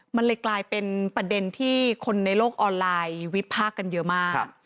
มันเลยกลายเป็นประเด็นที่คนในโลกออนไลน์วิพากษ์กันเยอะมาก